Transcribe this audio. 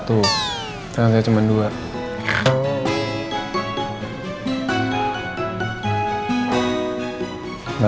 udah diminum dulu obatnya